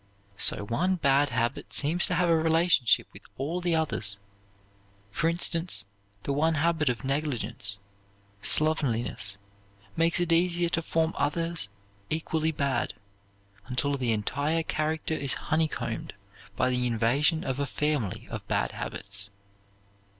So one bad habit seems to have a relationship with all the others. For instance, the one habit of negligence, slovenliness, makes it easier to form others equally bad, until the entire character is honeycombed by the invasion of a family of bad habits.